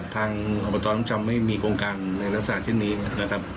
ทางอบตน้ำชำไม่มีโครงการนักศึกษาเช่นนี้นะครับ